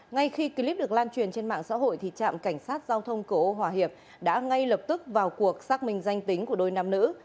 ngay khi clip được lan truyền trên mạng xã hội trạm cảnh sát giao thông cửa ô hòa hiệp đã ngay lập tức vào cuộc xác minh danh tính của đôi nam nữ